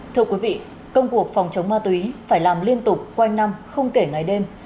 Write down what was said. thưa quý vị công cuộc phòng chống ma túy phải làm liên tục quanh năm không kể ngày đêm